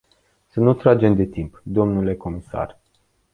Să nu tragem de timp, dle comisar.